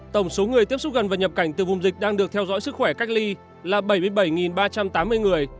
tổng số người tiếp xúc gần và nhập cảnh từ vùng dịch đang được theo dõi sức khỏe cách ly là bảy mươi bảy ba trăm tám mươi người